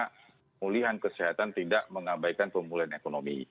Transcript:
pemulihan kesehatan tidak mengabaikan pemulihan ekonomi